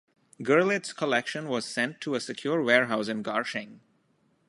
Gurlitt's collection was sent to a secure warehouse in Garching.